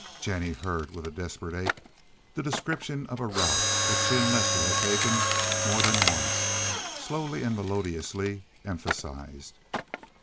Jennie heard with a desperate ache the description of a route which she and Lester had taken more than once, slowly and melodiously emphasized.